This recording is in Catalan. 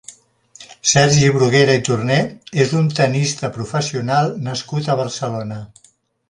Sergi Bruguera i Torner és un tennista professional nascut a Barcelona.